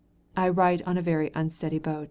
I write on a very unsteady boat.